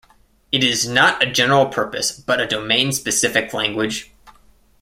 It is not a general-purpose, but a domain-specific language.